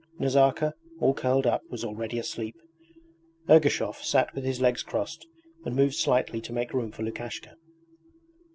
Nazarka, all curled up, was already asleep. Ergushov sat with his legs crossed and moved slightly to make room for Lukashka.